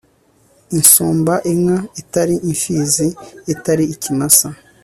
Insumba inka itari imfizi itari ikimasa